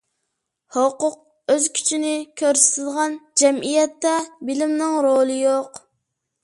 ھوقۇق ئۆز كۈچىنى كۆرسىتىدىغان جەمئىيەتتە بىلىمنىڭ رولى يوق.